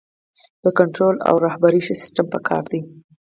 د کنټرول او رهبرۍ ښه سیستم پکار دی.